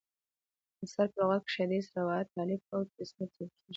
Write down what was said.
اثر: په لغت کښي حدیث، روایت، تالیف او تصنیف ته ویل کیږي.